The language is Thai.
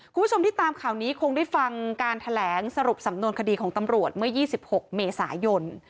คุณผู้ชมที่ตามข่าวนี้คงได้ฟังการแถลงสรุปสำนวนคดีของตำรวจเมื่อ๒๖เมษายน